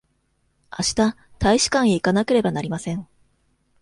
あした大使館へ行かなければなりません。